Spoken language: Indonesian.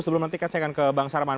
sebelum nanti saya akan ke bang sarman